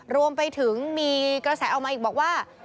รวมไปถึงมีกระแสออกมาอีกบอกว่า